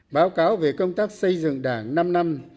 báo cáo về công tác xây dựng đảng năm năm